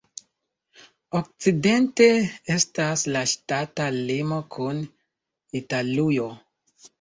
Okcidente estas la ŝtata limo kun Italujo.